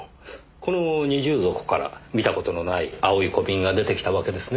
この二重底から見た事のない青い小瓶が出てきたわけですね？